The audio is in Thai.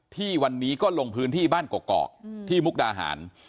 ที่วันนี้ก็ลงพื้นที่บ้านกอกที่มุกดาหาร